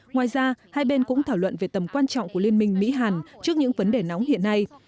ngoài ra hai bên cũng thảo luận về tầm quan trọng của liên minh mỹ hàn trước những vấn đề nóng hiện nay